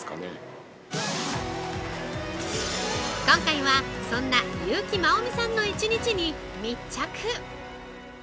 ◆今回はそんな優木まおみさんの１日に密着。